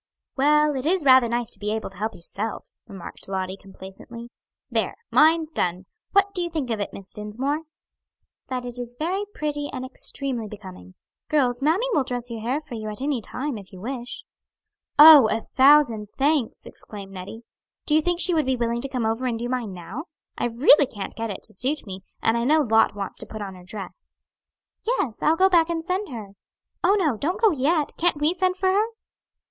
"Well, it is rather nice to be able to help yourself," remarked Lottie complacently. "There! mine's done; what do you think of it, Miss Dinsmore?" "That it is very pretty and extremely becoming. Girls, mammy will dress your hair for you at any time, if you wish." "Oh, a thousand thanks!" exclaimed Nettie. "Do you think she would be willing to come over and do mine now? I really can't get it to suit me, and I know Lot wants to put on her dress." "Yes, I'll go back and send her." "Oh, no; don't go yet; can't we send for her?"